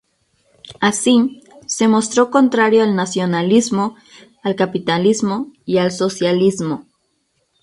Así, se mostró contrario al nacionalismo, al capitalismo y al socialismo.